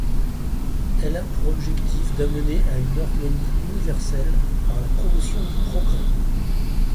Elle a pour objectif d'amener à une harmonie universelle par la promotion du progrès.